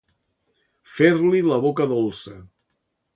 Fer-li la boca dolça.